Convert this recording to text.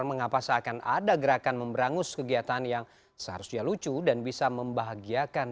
mengapa seakan ada gerakan memberangus kegiatan yang seharusnya lucu dan bisa membahagiakan